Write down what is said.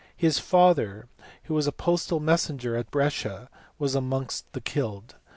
His father, who was a postal messenger at Brescia, was amongst the killed.